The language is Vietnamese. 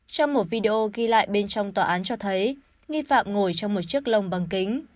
trong một video ghi lại bên trong tòa án cho thấy nghi phạm ngồi trong một chiếc lông bằng kính